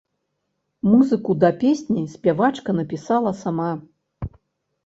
Музыку да песні спявачка напісала сама.